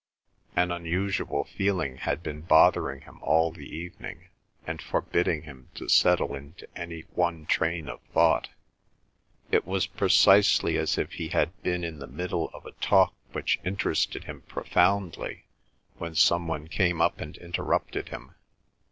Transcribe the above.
An unusual feeling had been bothering him all the evening and forbidding him to settle into any one train of thought. It was precisely as if he had been in the middle of a talk which interested him profoundly when some one came up and interrupted him.